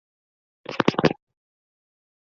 希优顿是洛汗国王塞哲尔最为要好。